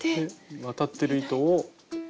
渡ってる糸を。